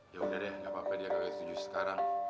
yaudah deh gapapa dia kaget setuju sekarang